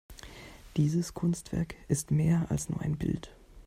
Dieses Kunstwerk ist mehr als nur ein Bild.